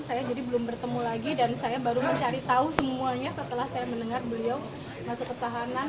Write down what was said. saya jadi belum bertemu lagi dan saya baru mencari tahu semuanya setelah saya mendengar beliau masuk ke tahanan